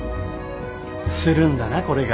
するんだなこれが。